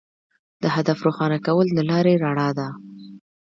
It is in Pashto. د هدف روښانه کول د لارې رڼا ده.